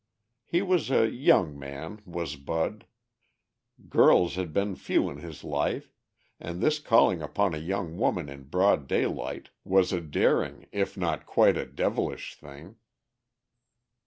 He was a young man, was Bud; girls had been few in his life, and this calling upon a young woman in broad daylight was a daring if not quite a devilish thing.